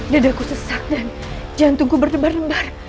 dedekku sesak dan jantungku berdebar nebar